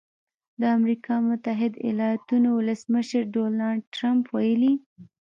د امریکا متحده ایالتونو ولسمشر ډونالډ ټرمپ ویلي